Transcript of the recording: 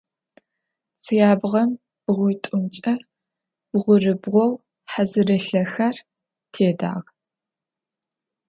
Цыябгъэм бгъуитӏумкӏэ бгъурыбгъоу хьазырылъэхэр тедагъ.